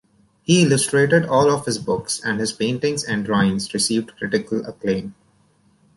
He illustrated all of his books, and his paintings and drawings received critical acclaim.